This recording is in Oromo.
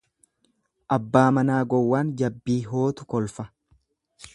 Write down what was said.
Abbaa manaa gowwaan jabbii hootu kolfa.